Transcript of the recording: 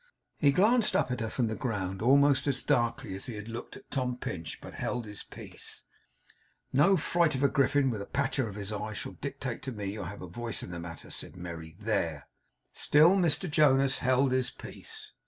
He glanced up at her from the ground, almost as darkly as he had looked at Tom Pinch; but held his peace. 'No fright of a Griffin with a patch over his eye shall dictate to me or have a voice in the matter,' said Merry. 'There!' Still Mr Jonas held his peace.